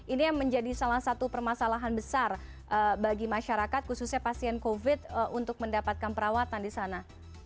ini yang menjadi salah satu permasalahan besar bagi masyarakat khususnya pasien covid untuk mendapatkan perawatan di sana